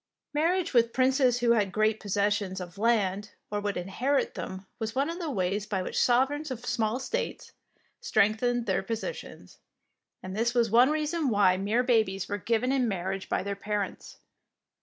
Marriage with princes who had great possessions of land or would inherit them was one of the ways by which sovereigns of small states strengthened their posi tions, and this was one reason why mere babies were given in marriage by their parents.